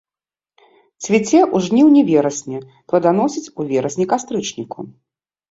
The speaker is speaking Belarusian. Цвіце ў жніўні-верасні, пладаносіць у верасні-кастрычніку.